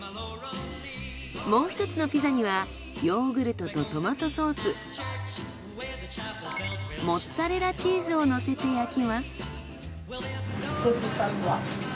もう１つのピザにはヨーグルトとトマトソースモッツァレラチーズをのせて焼きます。